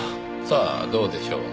さあどうでしょう。